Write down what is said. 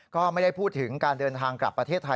ก็ไม่ได้พูดถึงการเดินทางกลับประเทศไทย